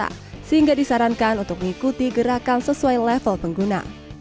berikut adalah beberapa hal yang harus dilakukan untuk mengikuti gerakan sesuai level pengguna